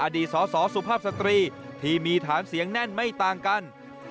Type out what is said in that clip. สสสุภาพสตรีที่มีฐานเสียงแน่นไม่ต่างกัน